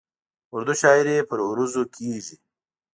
اردو شاعري پر عروضو کېږي.